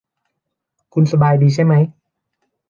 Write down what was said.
คุณสบายดีใช่มั้ย ?